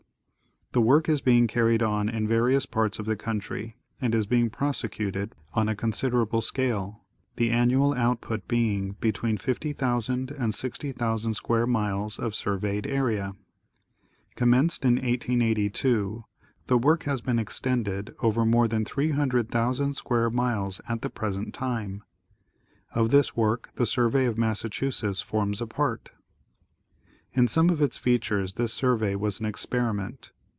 The work is being carried on in various parts of the country and is being prosecuted on a considerable scale, the annual output being between 50,000 and 60,000 sq. miles of surveyed area. Commenced in 1882, the work has been extended over more than 300,000 sq. miles at the present time. Of this work the survey of Massachusetts forms a part. In some of its features this survey was an experiment.